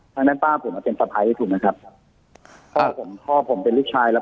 ท่านแต่งต้าผมว่าเป็นสหัสให้ถูกมั้ยครับท่าผมพ่อผมเป็นลูกชายแล้ว